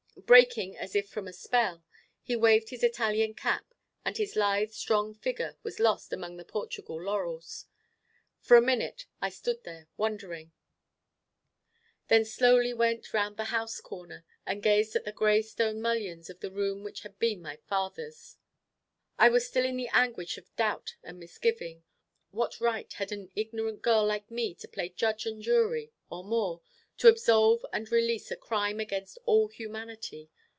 Breaking as if from a spell, he waved his Italian cap, and his lithe strong figure was lost among the Portugal laurels. For a minute I stood there, wondering; then slowly went round the house corner, and gazed at the grey stone mullions of the room which had been my father's. I was still in the anguish of doubt and misgiving what right had an ignorant girl like me to play judge and jury, or more, to absolve and release a crime against all humanity?